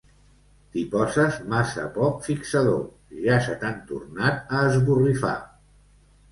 T'hi poses massa poc fixador: ja se t'han tornat a esborrifar.